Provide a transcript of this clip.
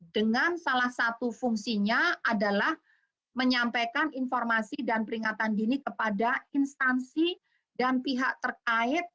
dengan salah satu fungsinya adalah menyampaikan informasi dan peringatan dini kepada instansi dan pihak terkait